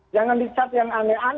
jangan dicat yang aneh aneh